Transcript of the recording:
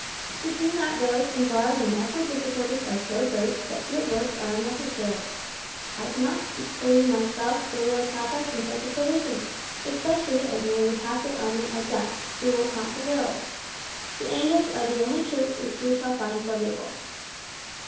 Between that village and Barre the natural difficulties are so great that field works are unnecessary. I cannot believe myself that they will attack us in such a position, especially as nearly half their army are Dutch, who will count for little. The English are the only troops which we shall find formidable."